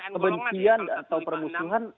kebencian atau permusuhan